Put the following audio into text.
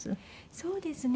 そうですね。